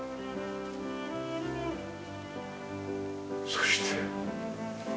そして。